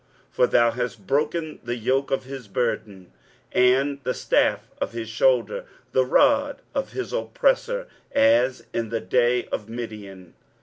23:009:004 For thou hast broken the yoke of his burden, and the staff of his shoulder, the rod of his oppressor, as in the day of Midian.